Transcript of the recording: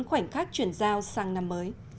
khoảnh khắc chuyển giao sang năm mới